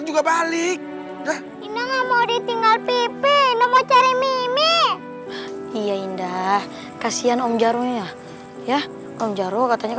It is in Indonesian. juga balik udah mau ditinggal pipi mau cari mimi iya indah kasihan om jarum ya ya om jarum katanya